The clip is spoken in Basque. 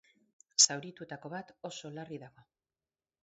Zaurituetako bat oso larri dago.